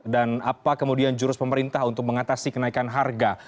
dan apa kemudian jurus pemerintah untuk mengatasi kenaikan harga